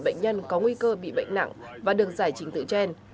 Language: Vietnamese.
bệnh nhân có nguy cơ bị bệnh nặng và được giải trình tự chen